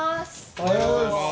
おはようございます。